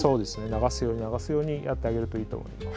流すようにやってあげるといいと思います。